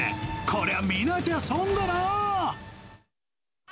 こりゃ、見なきゃ損だな。